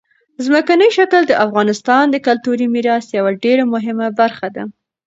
ځمکنی شکل د افغانستان د کلتوري میراث یوه ډېره مهمه برخه ده.